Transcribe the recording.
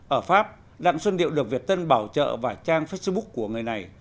ở pháp đặng xuân điệu được việt tân bảo trợ và trang facebook của người này